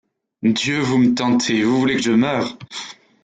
Dieu! vous me tentez, vous voulez que je meure !